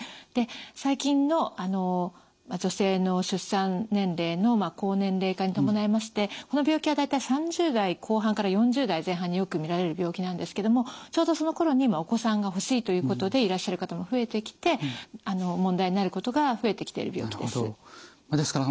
で最近の女性の出産年齢の高年齢化に伴いましてこの病気は大体３０代後半から４０代前半によく見られる病気なんですけどもちょうどそのころにお子さんが欲しいということでいらっしゃる方も増えてきて問題になることが増えてきている病気です。